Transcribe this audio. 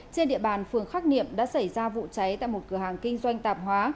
trên địa bàn phường khắc niệm đã xảy ra vụ cháy tại một cửa hàng kinh doanh tạp hóa